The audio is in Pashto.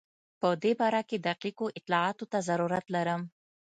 په دې باره کې دقیقو اطلاعاتو ته ضرورت لرم.